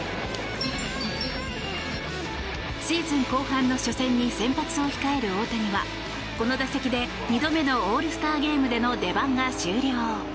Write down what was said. シーズン後半の初戦に先発を控える大谷はこの打席で、２度目のオールスターゲームでの出番が終了。